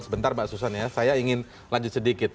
sebentar mbak susan ya saya ingin lanjut sedikit